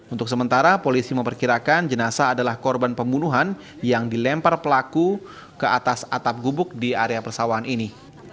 untuk sementara polisi memperkirakan jenazah adalah korban pembunuhan yang dilempar pelaku ke atas atap gubuk di area persawahan ini